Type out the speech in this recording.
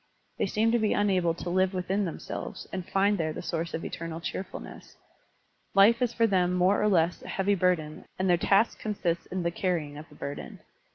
They seem to be unable to live within themselves and find there the source of eternal cheerfulness. Life is for them more or less a heavy burden and their task consists in the carrying of the burden.